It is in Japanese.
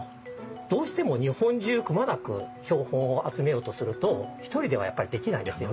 どうしても日本中くまなく標本を集めようとすると１人ではやっぱりできないですよね。